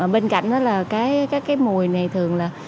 bên cạnh đó là các cái mùi này thường là